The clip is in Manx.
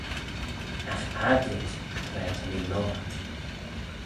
Agh agglit tra ta mee loayrt.